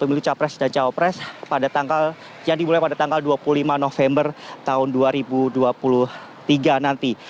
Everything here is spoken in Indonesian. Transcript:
pemilu capres dan cawapres yang dimulai pada tanggal dua puluh lima november tahun dua ribu dua puluh tiga nanti